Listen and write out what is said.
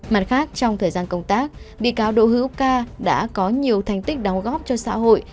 mặt khác trong thời gian công tác bị cáo đỗ hữu ca đã có nhiều thành tích đóng góp cho xã hội